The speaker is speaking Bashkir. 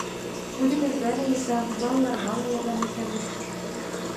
Үҙебеҙгә лә етә, балаларға ла ярҙам итәбеҙ.